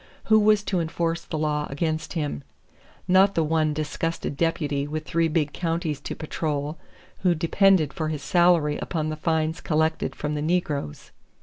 Who was to enforce the law against him? Not the one disgusted deputy with three big counties to patrol who depended for his salary upon the fines collected from the negroes.